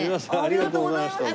ありがとうございます。